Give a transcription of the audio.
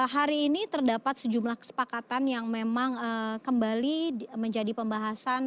hari ini terdapat sejumlah kesepakatan yang memang kembali menjadi pembahasan